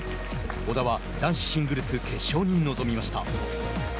小田は、男子シングルス決勝に臨みました。